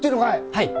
はい。